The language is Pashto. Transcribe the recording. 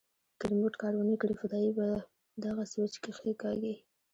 که ريموټ کار ونه کړي فدايي به دغه سوېچ کښېکاږي.